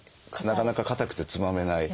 なかなか硬くてつまめない。